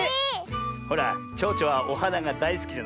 ほらちょうちょはおはながだいすきじゃない？